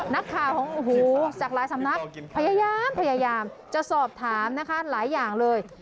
นักข่าวของโอ้โหจากหลายสำนักพยายามพยายามจะสอบถามนะคะหลายอย่างเลย